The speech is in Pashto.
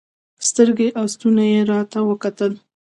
سترګې او ستونى يې راوکتل.